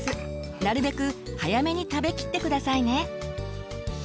なるべく早めに食べきって下さいね。